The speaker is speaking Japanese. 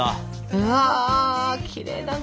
うわきれいだね。